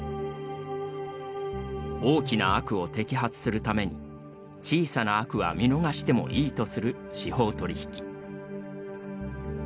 「大きな悪を摘発するために小さな悪は見逃してもいい」とする司法取引。